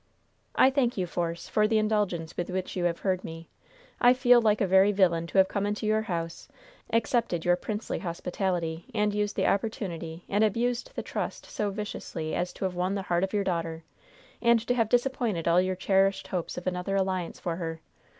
"I thank you, Force, for the indulgence with which you have heard me. I feel like a very villain to have come into your house, accepted your princely hospitality and used the opportunity and abused the trust so viciously as to have won the heart of your daughter, and to have disappointed all your cherished hopes of another alliance for her.